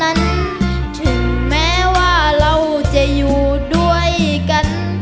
นั้นถึงแม้ว่าเราจะอยู่ด้วยกัน